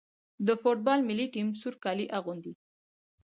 د فوټبال ملي ټیم سور کالي اغوندي.